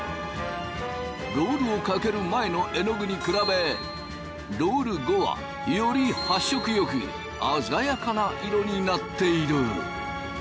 ロールをかける前のえのぐに比べロール後はより発色よくあざやかな色になっている！